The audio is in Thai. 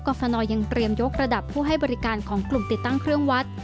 ฟนยังเตรียมยกระดับผู้ให้บริการของกลุ่มติดตั้งเครื่องวัด